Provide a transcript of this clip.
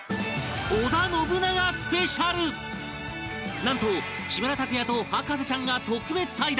なんと木村拓哉と博士ちゃんが特別対談